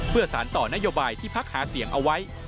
เพื่อสารต่อนโยบายที่พักหาเสียงเอาไว้